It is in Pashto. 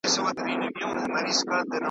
د ځوانۍ په خوب کي تللې وه نشه وه .